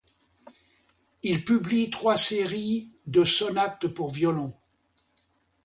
Il publie trois séries de sonates pour violon.